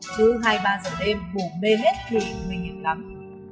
chứ hai ba h đêm bù mê hết thì nguy hiểm lắm